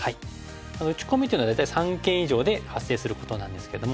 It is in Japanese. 打ち込みというのは大体三間以上で発生することなんですけども。